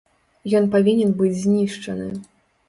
Ён павінен быць знішчаны.